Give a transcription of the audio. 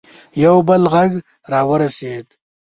یو بل غږ راورسېد.